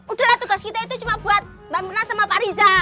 udahlah tugas kita itu cuma buat mbak mirna sama pak riza